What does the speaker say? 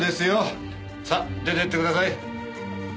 さ出てってください。